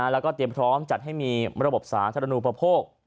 แล้วก็เตรียมพร้อมจัดให้มีระบบสาธารณูปโภค